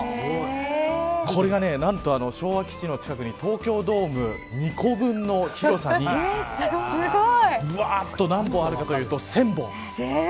これが何と、昭和基地の近くに東京ドーム２個分の広さにぶわーと何本あるかというと１０００本。